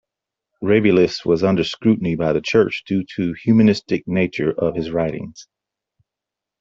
Rabelais was under scrutiny by the church due to "humanistic" nature of his writings.